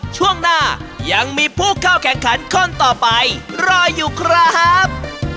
ช่วงหน้ายังมีผู้เข้าแข่งขันคนต่อไปรออยู่ครับ